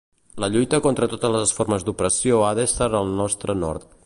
La lluita contra totes les formes d'opressió ha d'ésser el nostre nord.